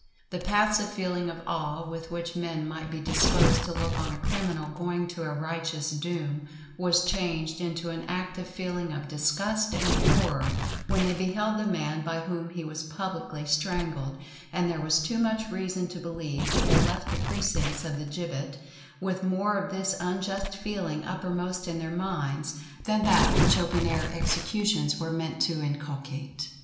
The passive feeling of awe with which men might be disposed to look on a criminal going to a righteous doom, was changed into an active feeling of disgust and horror, when they beheld the man by whom he was publicly strangled; and there was too much reason to believe that they left the precincts of the gibbet with more of this unjust feeling uppermost in their minds, than that which open air executions were meant to inculcate.